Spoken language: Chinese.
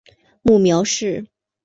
母苗氏。